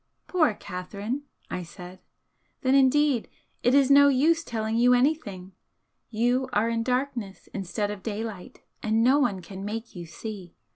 "Poor Catherine!" I said "Then indeed it is no use telling you anything! You are in darkness instead of daylight, and no one can make you see.